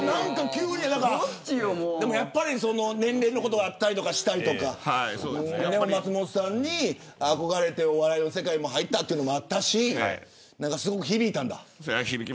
年齢のことあったりしたりとか松本さんにあこがれてお笑いの世界に入ったというのもあったし、すごく響いたんだ。